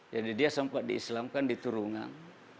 jadi dia sempat di islamkan di turungang